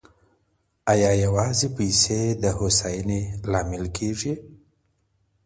ایا یوازې پیسې د هوساینې لامل کیږي؟